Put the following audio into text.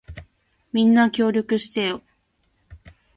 みんな、協力してよ。